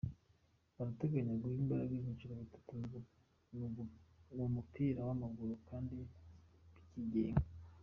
Barateganya guha imbaraga ibyiciro bitatu mu mupira w’amaguru kandi bikigenga